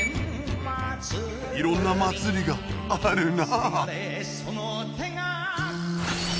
いろんな祭りがあるなぁ